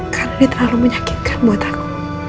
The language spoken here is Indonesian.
karena ini terlalu menyakitkan buat aku